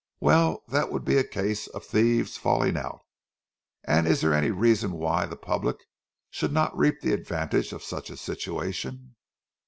Well, that would be a case of thieves falling out; and is there any reason why the public should not reap the advantage of such a situation?